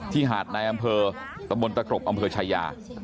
หาดในอำเภอตะบนตะกรบอำเภอชายา